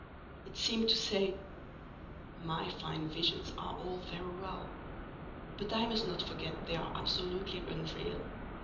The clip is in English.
It seemed to say—'My fine visions are all very well, but I must not forget they are absolutely unreal.